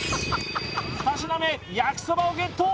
２品目焼きそばをゲット！